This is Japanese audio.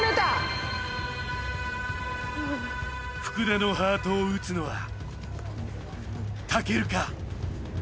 福田のハートを撃つのは武尊か？